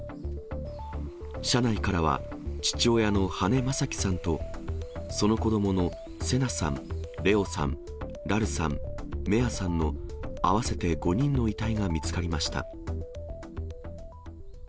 車内からは、父親の羽根正樹さんと、その子どもの聖夏さん、怜皇さん、蘭琉さん、芽杏さんの合わせて５人の遺体が見つかりました。